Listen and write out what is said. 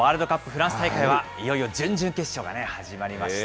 フランス大会は、いよいよ準々決勝がね、始まりました。